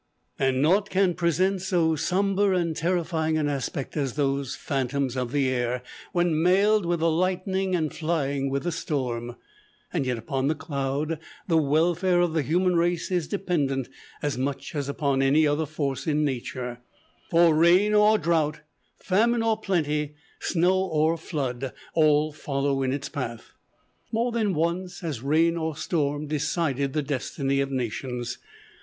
And naught can present so sombre and terrifying an aspect as those phantoms of the air, when mailed with the lightning and flying with the storm. Yet, upon the cloud the welfare of the human race is dependent, as much as upon any other force in nature: for rain or drouth, famine or plenty, snow or flood, all follow in its path. More than once has rain or storm decided the destiny of nations.